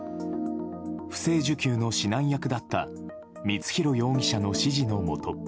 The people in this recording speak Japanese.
不正受給の指南役だった光弘容疑者の指示のもと